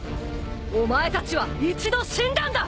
お前たちは一度死んだんだ！